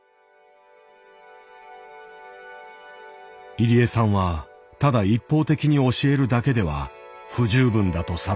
入江さんはただ一方的に教えるだけでは不十分だと悟った。